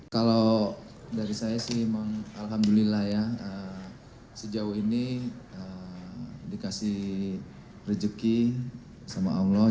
kalau dari saya sih memang alhamdulillah ya sejauh ini dikasih rezeki sama allah